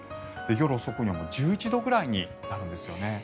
夜遅くには１１度くらいになるんですよね。